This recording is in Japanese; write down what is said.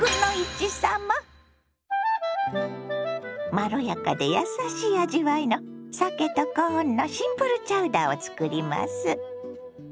まろやかでやさしい味わいのさけとコーンのシンプルチャウダーを作ります。